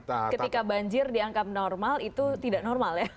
ketika banjir dianggap normal itu tidak normal ya